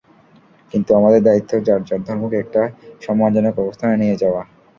কিন্তু আমাদের দায়িত্ব যার যার ধর্মকে একটা সম্মানজনক অবস্থানে নিয়ে যাওয়া।